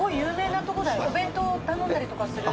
お弁当頼んだりとかする。